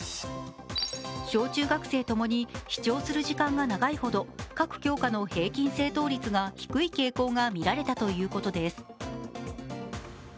小中学生共に視聴する時間が長いほど、各教科の平均正答率が低い傾向がみられたということです。